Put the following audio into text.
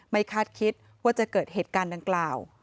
คาดคิดว่าจะเกิดเหตุการณ์ดังกล่าว